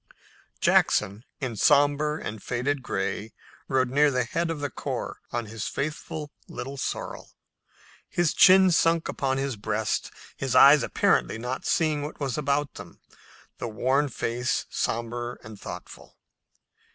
Jackson, in somber and faded gray, rode near the head of the corps on his faithful Little Sorrel, his chin sunk upon his breast, his eyes apparently not seeing what was about them, the worn face somber and thoughtful.